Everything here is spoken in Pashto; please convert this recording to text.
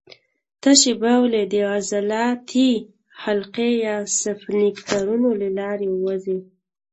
تشې بولې د عضلاتي حلقې یا سفینکترونو له لارې ووځي.